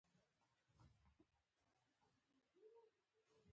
👔 نیکټایې